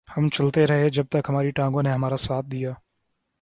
ہم چلتے رہے جب تک ہماری ٹانگوں نے ہمارا ساتھ دیا